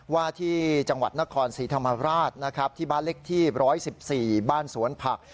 ว่าที่จังหวัดนครศรีธรรมราชนะครับที่บ้านเล็กที่๑๑๔บ้านสวนผัก